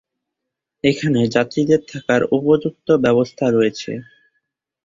এখানে যাত্রীদের থাকার উপযুক্ত ব্যবস্থা রয়েছে।